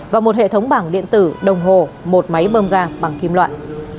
và một hệ thống bảng điện tử đồng hồ một máy bơm ga bằng kim loại